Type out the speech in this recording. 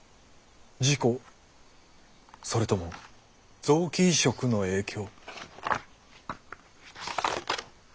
事故それとも臓器移植の影響。